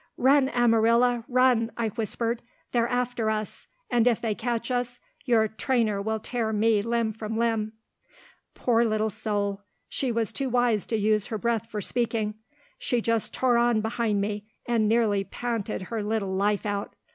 "Run, Amarilla, run," I whispered. "They're after us, and if they catch us, your trainer will tear me limb from limb." Poor little soul, she was too wise to use her breath for speaking. She just tore on behind me, and nearly panted her little life out.